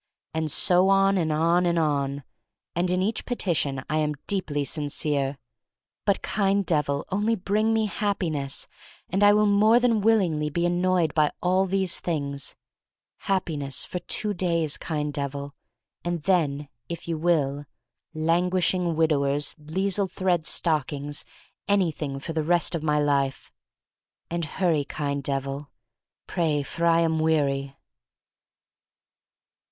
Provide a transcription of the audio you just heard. And so on and on and on. And in each petition I am deeply sincere. But, kind Devil, only bring me Happi ness and I will more than willingly be annoyed by all these things. Happi ness for two days, kind Devil, and 1 88 THE STORY OF MARY MAC LANE then, if you will, languishing widowers, lisle thread stockings — anything, for the rest of my life. And hurry, kind Devil, pray — for I am weary.